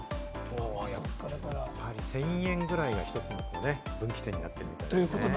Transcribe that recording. １０００円ぐらいが一つの分岐点になってるんですね。